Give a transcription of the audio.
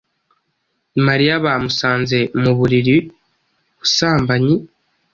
Mariya bamusanze muburiri busambanyi;